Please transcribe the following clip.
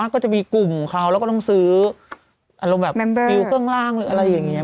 ก็จะมีกลุ่มของเขาแล้วก็ต้องซื้ออะไรแบบพิวเครื่องล่างหรืออะไรอย่างเงี้ย